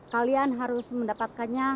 kalian harus mendapatkannya